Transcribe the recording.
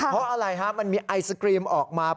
เพราะอะไรฮะมันมีไอศกรีมออกมา